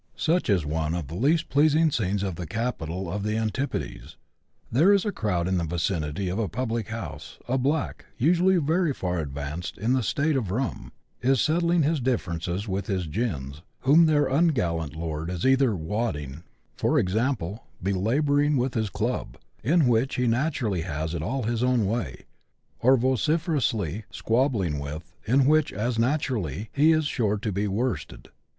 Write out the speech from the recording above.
Such is one of the least pleasing scenes of the capital of the antipodes. There is a crowd in the vicinity of a public house ; a black, usually very far advanced in a " state of rum," is settling his differences with his " gins," whom their ungallant lord is either " waddying," i. e. belabouring with his club, in which he naturally has it all his own way, or vociferously squabbling with, in which, as naturally, he is sure to be worsted.